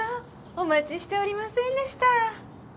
お待ちしておりませんでした。